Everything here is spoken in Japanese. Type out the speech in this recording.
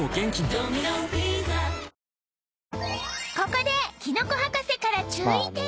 ここでキノコ博士から注意点！